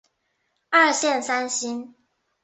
二线三星。